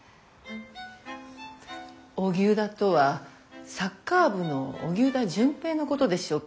オギュウダとはサッカー部の荻生田隼平のことでしょうか？